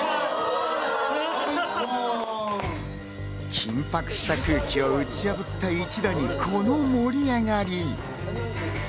緊迫した空気を打ち破った一打に、この盛り上がり。